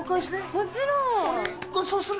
もちろん！